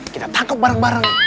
kita tangkep bareng bareng